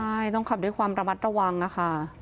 ใช่ต้องขับด้วยความระมัดระวังค่ะ